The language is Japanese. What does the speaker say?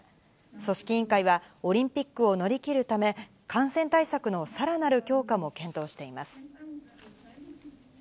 組織委員会は、オリンピックを乗り切るため、感染対策のさらなる強化も検討しています。